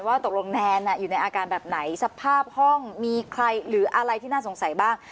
ว่าตกลงแนนอยู่ในอาการแบบไหนสภาพห้องมีใครหรืออะไรที่น่าสงสัยบ้าง